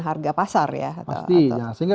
harga pasar ya sehingga